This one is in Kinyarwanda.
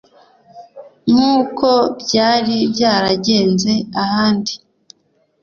nk' uko byari byaragenze ahandi.